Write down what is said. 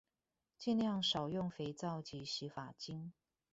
儘量少用肥皂及洗髮精